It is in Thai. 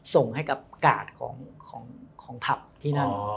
ส่งให้กับกาดของผับที่นั่น